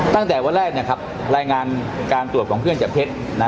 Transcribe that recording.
ตั้งแต่วันแรกรายงานการตรวจของเครื่องจับเท็จ